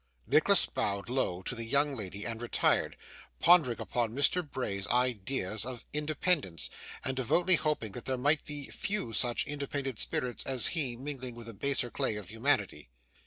Nicholas bowed low to the young lady and retired, pondering upon Mr Bray's ideas of independence, and devoutly hoping that there might be few such independent spirits as he mingling with the baser clay of humanity.